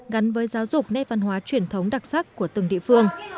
gắn với giáo dục nét văn hóa truyền thống đặc sắc của từng địa phương